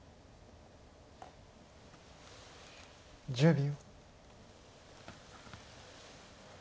１０秒。